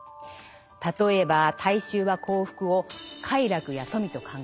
例えば大衆は幸福を「快楽」や「富」と考える。